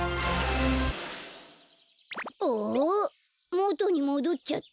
もとにもどっちゃった！